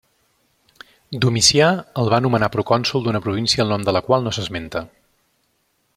Domicià el va nomenar procònsol d'una província el nom de la qual no s'esmenta.